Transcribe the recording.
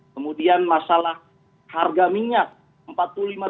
kemudian masalah harga minyak rp empat puluh lima